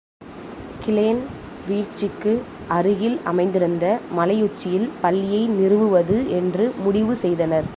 Glenn வீழ்ச்சிக்கு அருகில் அமைந்திருந்த மலையுச்சியில் பள்ளியை நிறுவுவது என்று முடிவு செய்தனர்.